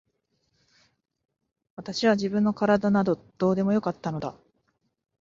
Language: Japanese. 私は自分の体などどうでもよかったのだ。